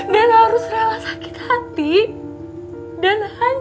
dan harus rela sakit hati dan just